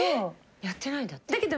やってないんだって。